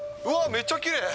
めちゃきれい。